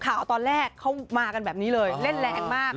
ข่าวตอนแรกเขามากันแบบนี้เลยเล่นแรงมาก